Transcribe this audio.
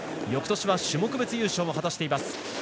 よくとしは種目別優勝も果たしています。